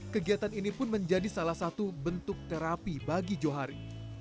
kegiatan ini pun menjadi salah satu bentuk terapi bagi johari